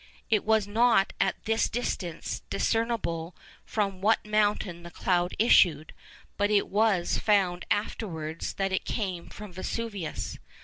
It was not at this distance discernible from what mountain the cloud issued, but it was found afterwards that it came from Vesuvius.